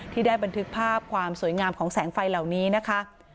ที่ได้บันทึกภาพความสวยงามของแสงไฟเหล่านี้นะคะ